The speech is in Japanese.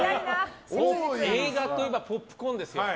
映画といえばポップコーンですよ。